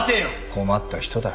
困った人だ。